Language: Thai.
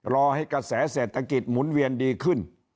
รอให้กระแสเศรษฐกิจหมุนเวียนดีขึ้น